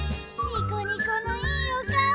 ニッコニコいいおかお。